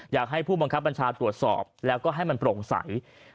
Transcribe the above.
อยากให้ผู้บังคับบัญชาตรวจสอบแล้วก็ให้มันโปร่งใส